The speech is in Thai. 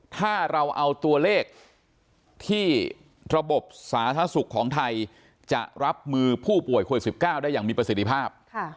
ถ้าเราเอาตัวเลขที่ระบบสาธารณสุขของไทยจะรับมือผู้ป่วยโควิด๑๙ได้อย่างมีประสิทธิภาพ